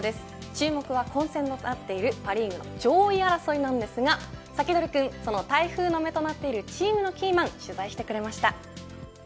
注目は混戦となっているパ・リーグの上位争いなんですがサキドリくんその台風の目となっているチームのキーマン取材してくれました。